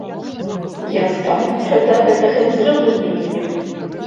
Я стаўлюся да гэтага з разуменнем.